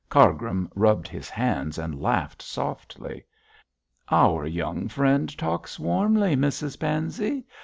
Cargrim rubbed his hands and laughed softly. 'Our young friend talks warmly, Mrs Pansey.